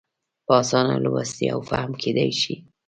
په اسانه لوستی او فهم کېدای شي.